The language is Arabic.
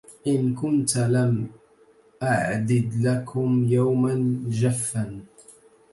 إن كنت لم أعدد لكم يوما جفا